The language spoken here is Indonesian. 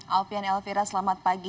alpian elvira selamat pagi